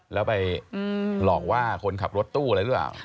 แล้วไปหลอกว่าคนขับรถตู้อะไรหรือเปล่า